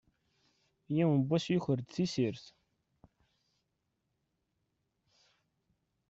Yiwen n wass yuker-d tissirt.